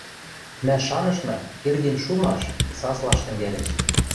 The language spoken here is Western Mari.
Мӓ шанышна, Кердин шумаш, саслаш тӹнгӓлеш.